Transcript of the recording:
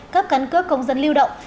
cấp cấn cướp công dân lưu động